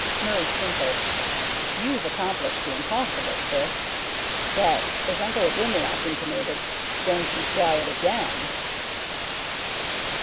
Murray twinkled. "You've accomplished the impossible, sis. But, as Uncle Abimelech intimated don't you try it again."